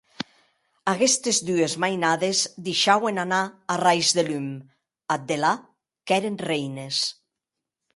Aguestes dues mainades deishauen anar arrais de lum; ath delà, qu’èren reines.